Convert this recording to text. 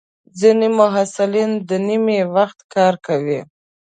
ځینې محصلین د نیمه وخت کار کوي.